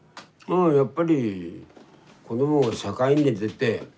やっぱり子どもが社会に出て。